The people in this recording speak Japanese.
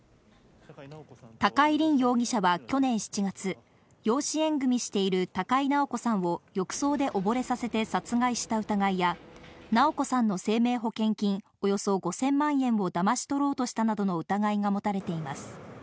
高井凜容疑者は去年７月、養子縁組みしている高井直子さんを浴槽で溺れさせて殺害した疑いや、直子さんの生命保険金およそ５０００万円をだまし取ろうとしたなどの疑いが持たれています。